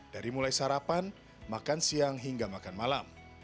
dari mulai sarapan makan siang hingga makan malam